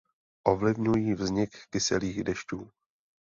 Ovlivňují vznik kyselých dešťů.